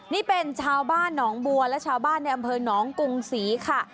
นี่เป็นชาวบ้านหนองบัวและชาวบ้านในอำเภอหนองกรุงศรีค่ะ